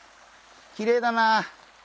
きれいだな。